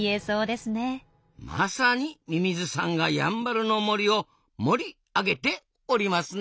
まさにミミズさんがやんばるの森を「盛り」上げておりますな。